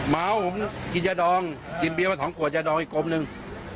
เม้าผมกินยาดองกินเบี๊ยวมา๒ขวดยาดองอีกกลมนึง